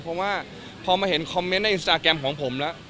เพราะว่าพอมาเห็นคอมเมนต์ในอินสตาแกรมของผมแล้ว